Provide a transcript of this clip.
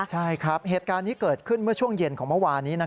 ใช่ครับเหตุการณ์นี้เกิดขึ้นเมื่อช่วงเย็นของเมื่อวานนี้